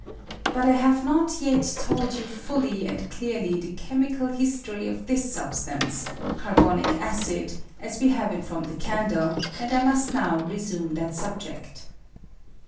But I have not yet told you fuUy and clearly the chemical history of this substance, carbonic acid, as we have it from the candle, and I must now resume that subject.